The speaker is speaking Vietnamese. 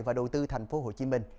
và đầu tư thành phố hồ chí minh